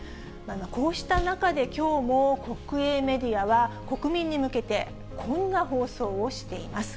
こうした中できょうも、国営メディアは、国民に向けて、こんな放送をしています。